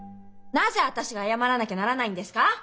なぜ私が謝らなきゃならないんですか？